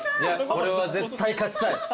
これは絶対勝ちたい。